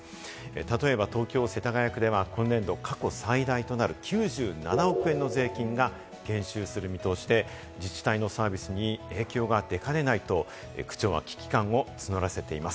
例えば東京・世田谷区では今年度、過去最大となる９７億円の税金が減収する見通しで、自治体のサービスに影響が出かねないと、区長は危機感を募らせています。